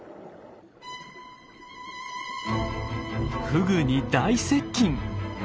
フグに大接近。